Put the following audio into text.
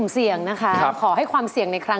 เสียงจริงค่ะ